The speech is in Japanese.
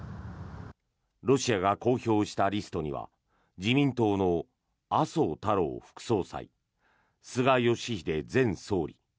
ロシアが公表したリストには自民党の麻生太郎副総裁菅義偉前総理